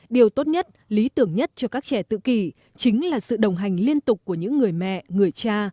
điều tốt nhất lý tưởng nhất cho các trẻ tự kỷ chính là sự đồng hành liên tục của những người mẹ người cha